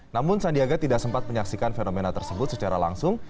namun sandiaga tidak sempat menyaksikan fenomena tersebut secara langsung